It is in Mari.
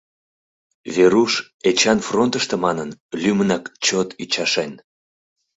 Веруш Эчан фронтышто манын, лӱмынак чот ӱчашен.